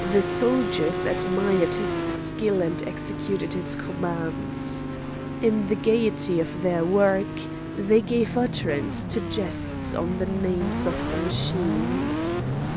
The soldiers admired his skill and executed his commands. In the gaiety of their work they gave utterance to jests on the names of the machines.